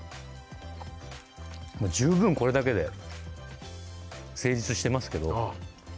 じゅうぶんこれだけで成立してますけど。